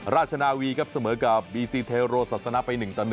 ราชนาวีครับเสมอกับบีซีเทโรศาสนาไป๑ต่อ๑